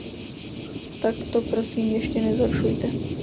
Tak to prosím ještě nezhoršujte.